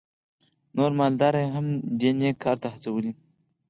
نور مالداره یې هم دې نېک کار ته هڅولي.